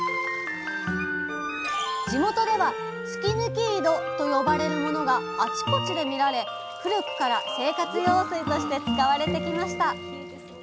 地元では突抜き井戸と呼ばれるものがあちこちで見られ古くから生活用水として使われてきました